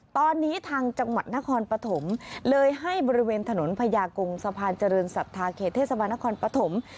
ตอนนี้ทางจังหวัดนครปฐมเลยให้บริเวณถนนพญากงสะพานเจริญศรัทธาเขตเทศบาลนครปฐม